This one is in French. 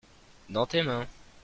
dans tes mains.